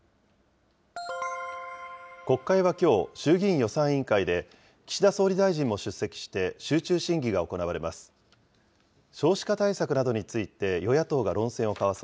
国会はきょう、衆議院予算委員会で、岸田総理大臣も出席して、集中審議が行われます。